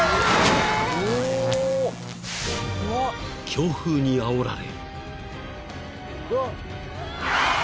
［強風にあおられ］